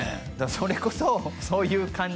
それこそそういう感じ